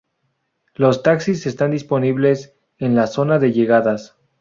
Los taxis están disponibles en la zona de llegadas.